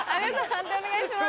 判定お願いします。